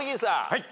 はい。